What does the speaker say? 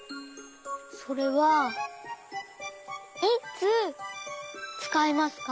それはいつつかいますか？